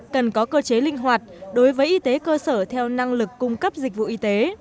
cần có cơ chế linh hoạt đối với y tế cơ sở theo năng lực cung cấp dịch vụ y tế